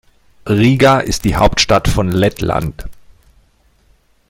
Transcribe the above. Riga ist die Hauptstadt von Lettland.